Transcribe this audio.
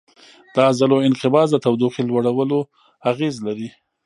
د عضلو انقباض د تودوخې لوړولو اغېز لري.